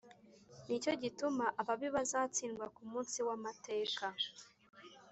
Ni cyo gituma ababi bazatsindwa ku munsi w’amateka,